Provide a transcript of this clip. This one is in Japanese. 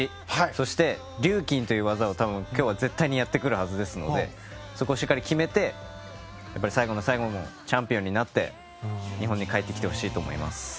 そしてリューキンという技を今日は絶対にやってくるはずですのでそこを決めて最後の最後チャンピオンになって日本に帰ってきてほしいと思います。